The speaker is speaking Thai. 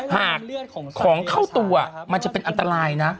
หากของเข้าตัวมันจะเป็นอันตรายนะ